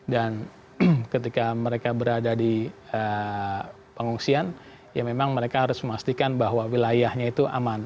ketika mereka berada di pengungsian ya memang mereka harus memastikan bahwa wilayahnya itu aman